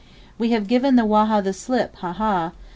We have given the Waha, the slip! ha, ha!